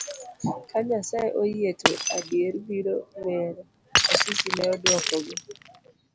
ka Nyasaye oyie to adier biro ng'ere, Asisi ne odwokogi.